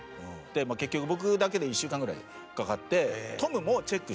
結局僕だけで１週間ぐらいかかって。